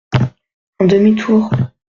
Un demi-tour.